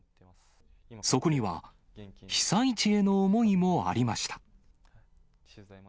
そこには被災地への思いもありました。